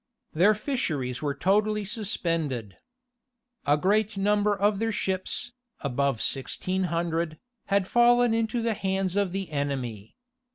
Their fisheries were totally suspended. A great number of their ships, above sixteen hundred, had fallen into the hands of the enemy.